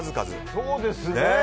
そうですね。